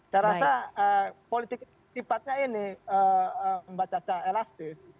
saya rasa politik sifatnya ini mbak caca elastis